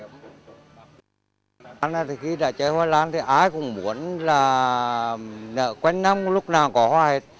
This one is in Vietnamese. họ cũng muốn là nở quen năm lúc nào có hoa hết